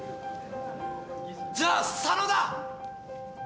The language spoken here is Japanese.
じゃあ佐野だ！